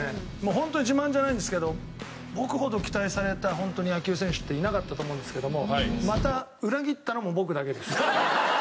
ホントに自慢じゃないんですけど僕ほど期待された野球選手っていなかったと思うんですけどもまた裏切ったのも僕だけです。